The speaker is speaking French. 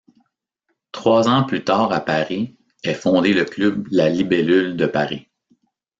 Trois ans plus tard à Paris est fondé le club la Libellule de Paris.